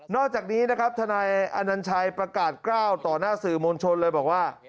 อกจากนี้นะครับทนายอนัญชัยประกาศกล้าวต่อหน้าสื่อมวลชนเลยบอกว่า